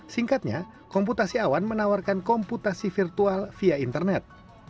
singkatnya komputasi awan menawarkan komputasi virtual via internet